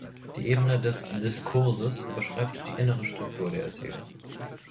Die Ebene des "Diskurses" beschreibt die innere Struktur der Erzählung.